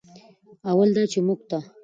اول دا چې موږ ته